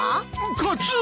カツオ！